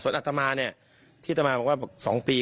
อัตมาเนี่ยที่ตมาบอกว่า๒ปี